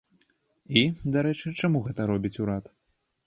І, дарэчы, чаму гэта робіць урад?